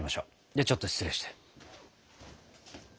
ではちょっと失礼して。